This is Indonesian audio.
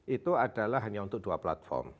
itu adalah hanya untuk dua platform